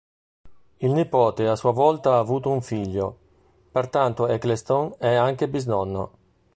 Il nipote a sua volta ha avuto un figlio, pertanto Ecclestone è anche bisnonno.